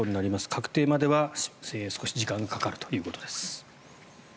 確定までは少し時間がかかるということです。